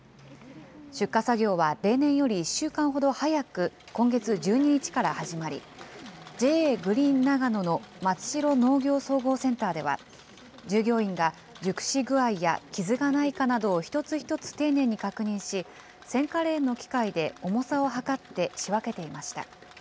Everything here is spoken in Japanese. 出荷作業は例年より１週間ほど早く今月１２日から始まり、ＪＡグリーン長野の松代農業総合センターでは、従業員が熟し具合や傷がないかなどを一つ一つ丁寧に確認し、選果レーンの機械で重さを量って仕訳けていました。